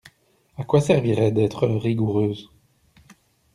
A quoi servirait d'être rigoureuse.